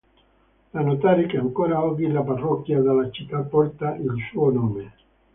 Da notare che ancora oggi la parrocchia della città porta il suo nome.